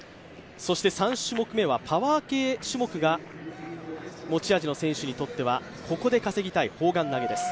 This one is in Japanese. そして３種目めはパワー系種目が持ち味の選手にとってはここで稼ぎたい砲丸投です。